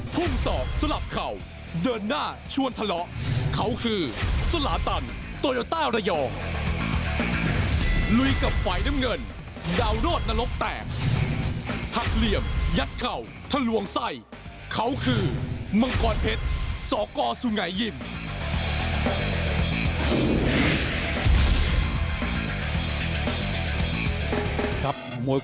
ครับมวยคู่ที่๒แล้วนะครับ